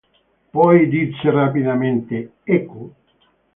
Poi disse rapidamente: – Ecco.